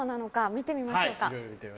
見てみましょう。